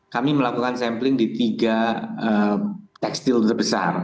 kami melakukan sampling di tiga tekstil terbesar